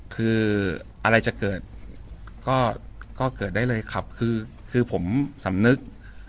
คืออะไรจะเกิดก็เกิดได้เลยครับคือผมสำนึก